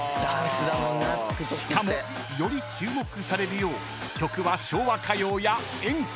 ［しかもより注目されるよう曲は昭和歌謡や演歌］